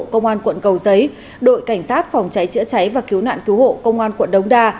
công an quận cầu giấy đội cảnh sát phòng cháy chữa cháy và cứu nạn cứu hộ công an quận đống đa